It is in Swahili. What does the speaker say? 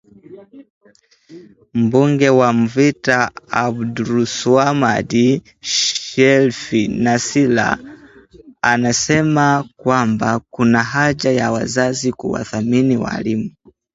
Mbunge wa mvita abdulswamad sheriff Nassir anasema kwamba kuna haja ya wazazi kuwathamini walimu